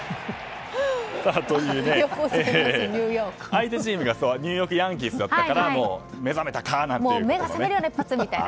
相手チームがニューヨーク・ヤンキースだったからか目覚めたか？なんて。